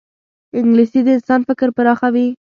انګلیسي د انسان فکر پراخوي